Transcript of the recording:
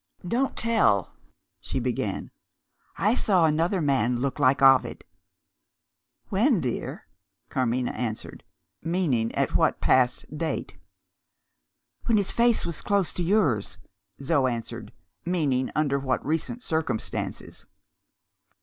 "Don't tell!" she began. "I saw another man look like Ovid." "When, dear?" Carmina asked meaning, at what past date. "When his face was close to yours," Zo answered meaning, under what recent circumstances.